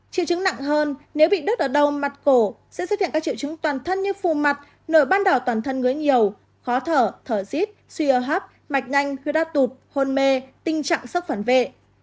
triệu chứng nặng hơn nếu bị đốt ở đầu mặt cổ sẽ xuất hiện các triệu chứng toàn thân như phù mặt nổi ban đảo toàn thân ngứa nhiều khó thở thở dít suy ơ hấp mạch nhanh khứa đa tụt hôn mê tình trạng sức phản vệ